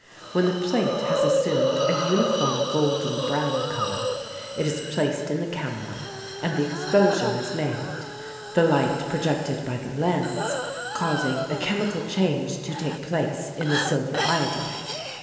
When the plate has assumed a uniform golden brown color it is placed in the camera and the exposure is made, the light projected by the lens causing a chemical change to take place in the silver iodide.